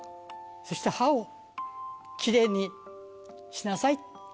そして歯をきれいにしなさい。